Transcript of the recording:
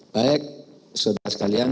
baik sudah sekalian